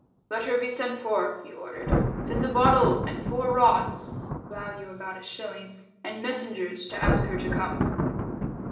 "Let her be sent for," he ordered. "Send a bottle and four rods (value about a shilling) and messengers to ask her to come."